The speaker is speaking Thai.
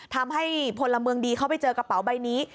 พลเมืองดีเขาไปเจอกระเป๋าใบนี้